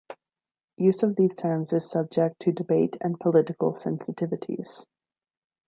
Use of these terms is subject to debate and political sensitivities.